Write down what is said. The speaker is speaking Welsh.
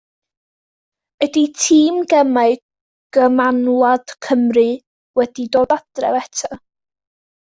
Ydy tîm gemau gymanwlad Cymru wedi dod adref eto?